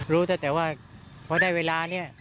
รู้จากเมื่อได้เวลา